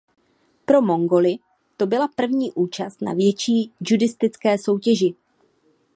Pro Mongoly to byla první účast na větší judistické soutěži.